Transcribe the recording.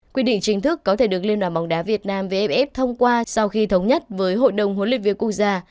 quy định chính thức có thể được liên đoàn bóng đá việt nam vff thông qua sau khi thống nhất với hội đồng huấn luyện viên quốc gia